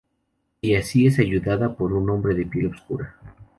Y así es ayudada por un hombre de piel oscura.